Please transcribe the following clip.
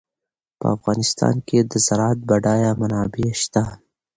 په افغانستان کې د زراعت بډایه منابع شته.